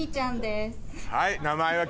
はい。